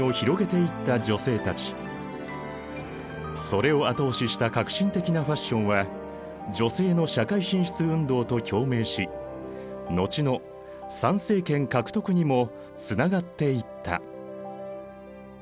それを後押しした革新的なファッションは女性の社会進出運動と共鳴し後の参政権獲得にもつながっていった。